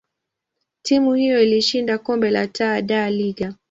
timu hiyo ilishinda kombe la Taa da Liga.